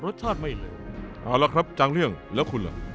รสชาติไม่เลยเอาละครับจางเรื่องแล้วคุณล่ะ